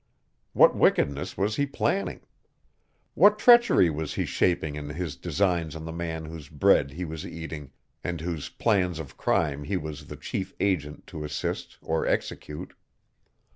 What wickedness was he planning? What treachery was he shaping in his designs on the man whose bread he was eating and whose plans of crime he was the chief agent to assist or execute?